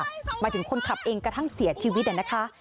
หมายถึงคนขับเองกระทั่งเสียชีวิตนะคะ